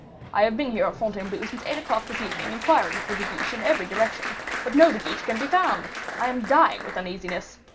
I have been here at Fontainebleau since eight o'clock this evening inquiring for De Guiche in every direction, but no De Guiche can be found. I am dying with uneasiness.